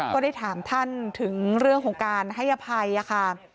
ก็ได้ถามท่านถึงเรื่องของการให้อภัยค่ะ